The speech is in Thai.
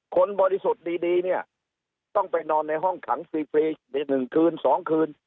คนบริสุทธิ์ดีต้องไปนอนในห้องขัง๑คืน๒คืน